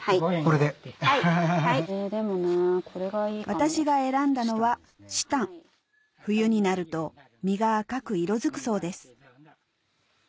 私が選んだのは紫檀冬になると実が赤く色づくそうです